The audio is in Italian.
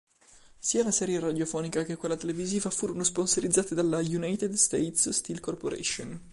Sia la serie radiofonica che quella televisiva furono sponsorizzate dalla United States Steel Corporation.